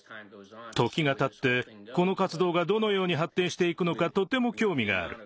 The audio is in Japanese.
時がたってこの活動がどのように発展して行くのかとても興味がある。